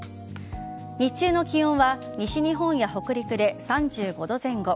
日中の気温は西日本や北陸で３５度前後。